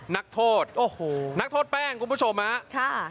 นักโทษโอ้โหนักโทษแป้งคุณผู้ชมฮะค่ะ